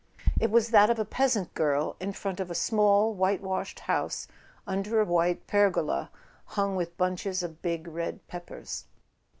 It was that of a peasant girl in front of a small whitewashed house, under a white pergola hung with bunches of big red peppers.